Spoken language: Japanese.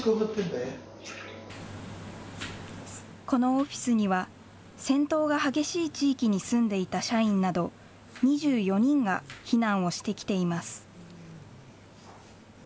このオフィスには戦闘が激しい地域に住んでいた社員など２４人が避難をしてきています。